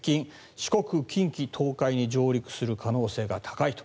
四国、近畿、東海に上陸する可能性が高いと。